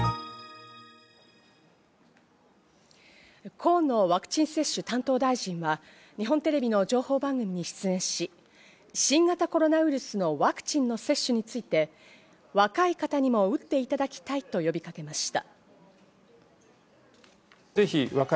河野ワクチン接種担当大臣は日本テレビの情報番組に出演し、新型コロナウイルスのワクチンの接種について、若い方にも打っていただきたいと呼びかけました。